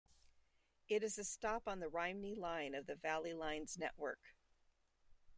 It is a stop on the Rhymney Line of the Valley Lines network.